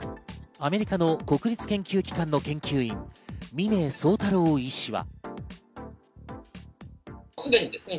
アメリカの国立研究機関の研究員、峰宗太郎医師は。